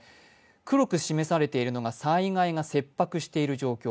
黒く示されているのが災害が切迫している状況。